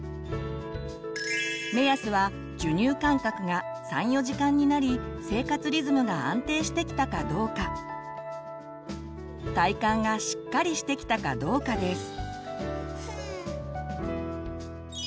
目安は授乳間隔が３４時間になり生活リズムが安定してきたかどうか体幹がしっかりしてきたかどうかです。